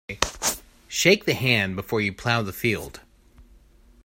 Shake the hand before you plough the field.